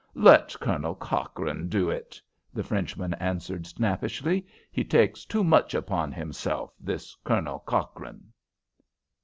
"Let Colonel Cochrane do it," the Frenchman answered, snappishly. "He takes too much upon himself, this Colonel Cochrane."